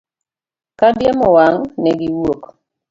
Kadiemo wang', ne wawuok.